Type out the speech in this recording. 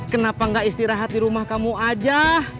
kenapa gak istirahat di rumah kamu aja